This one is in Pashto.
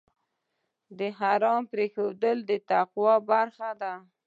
د حرام پرېښودل د تقوی برخه ده.